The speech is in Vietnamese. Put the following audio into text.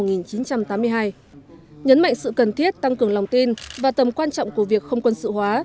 nhấn mạnh sự cần thiết tăng cường lòng tin và tầm quan trọng của việc không quân sự hóa